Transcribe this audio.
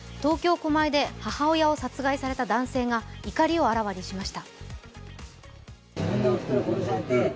東京・狛江で母親を殺害された男性が怒りをあらわにしました。